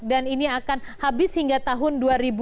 dan ini akan habis hingga tahun dua ribu lima puluh empat